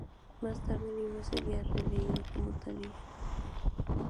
Más tarde el libro sería reeditado como Talía.